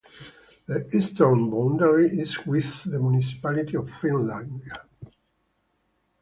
The eastern boundary is with the municipality of Filandia.